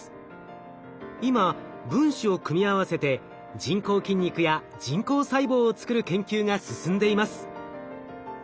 今分子を組み合わせて人工筋肉や人工細胞を作る研究が進んでいます。